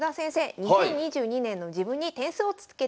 ２０２２年の自分に点数をつけていただきました。